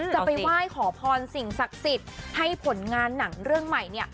จะไปไหว้ขอพรสิ่งศักดิ์สิทธิ์ให้ผลงานหนังเรื่องใหม่เนี่ย